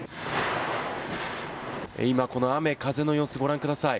今、雨風の様子をご覧ください。